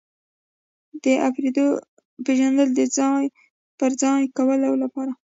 د افرادو پیژندل د ځای پر ځای کولو لپاره.